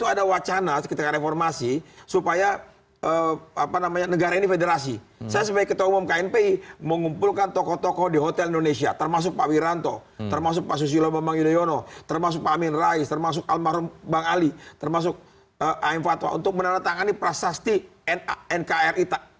adi aksa daud yang menjabat sebagai komisaris bank bri